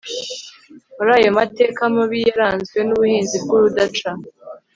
muri ayo mateka mabi yaranzwe n'ubuhinzi bw'urudaca